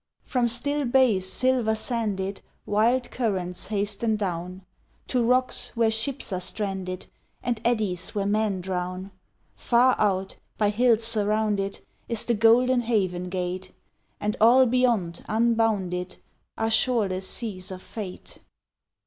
From still bays silver sanded Wild currents hasten down, To rocks where ships are stranded And eddies where men drown. Far out, by hills surrounded, Is the golden haven gate, And all beyond unbounded Are shoreless seas of fate.